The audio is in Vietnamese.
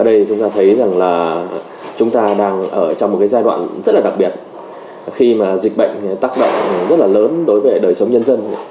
ở đây chúng ta thấy rằng là chúng ta đang ở trong một cái giai đoạn rất là đặc biệt khi mà dịch bệnh tác động rất là lớn đối với đời sống nhân dân